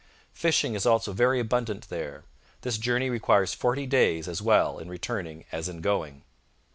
Fishing is also very abundant there. This journey requires forty days as well in returning as in going.